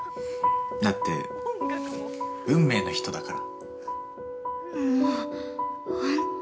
だって運命の人だから。